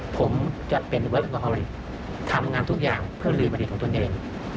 ผมจะเป็นเวิร์ดอังคารทำงานทุกอย่างเพื่อลืมอันดีของตนเอง